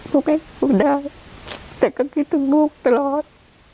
ลูกก็อยู่ได้แต่ก็คิดถึงลูกตลอด